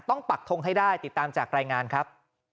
ปักทงให้ได้ติดตามจากรายงานครับ